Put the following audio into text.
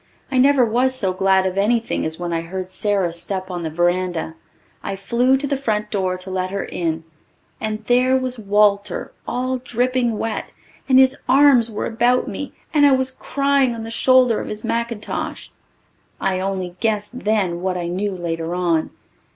I never was so glad of anything as when I heard Sara's step on the verandah. I flew to the front door to let her in and there was Walter all dripping wet and his arms were about me and I was crying on the shoulder of his mackintosh. I only guessed then what I knew later on.